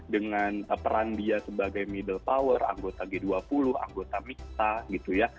dengan peran dia sebagai middle power anggota g dua puluh anggota mikta gitu ya